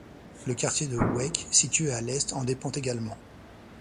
Le quartier de Hoek, situé à l'est, en dépend également.